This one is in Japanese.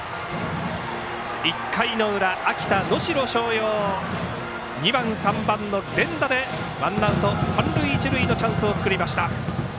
１回裏の秋田・能代松陽２番、３番の連打でワンアウト、三塁一塁のチャンスを作りました。